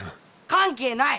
関係ない！